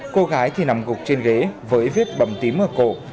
cô gái thì nằm gục trên ghế với vết bầm tím ở cổ